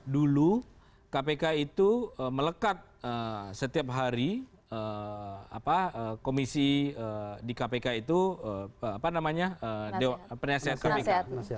dulu kpk itu melekat setiap hari komisi di kpk itu penasehat kpk